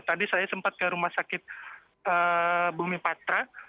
tadi saya sempat ke rumah sakit bumi patra